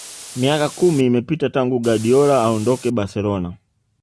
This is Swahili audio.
Miaka kumi imepita tangu Guardiola aondoke Barcelona